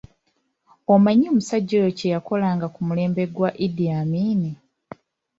Omanyi omusajja oyo kye yakolanga ku mulembe gwa Idi Amin.?